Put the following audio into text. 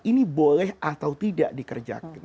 ini boleh atau tidak dikerjakan